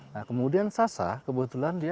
nah kemudian sasa kebetulan dia